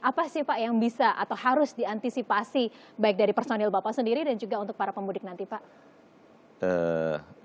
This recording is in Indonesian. apa sih pak yang bisa atau harus diantisipasi baik dari personil bapak sendiri dan juga untuk para pemudik nanti pak